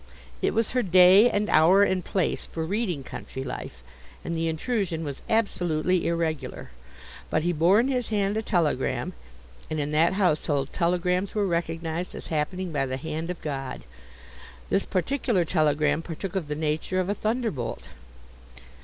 It was her day and hour and place for reading Country Life, and the intrusion was absolutely irregular; but he bore in his hand a telegram, and in that household telegrams were recognized as happening by the hand of God. This particular telegram partook of the nature of a thunderbolt.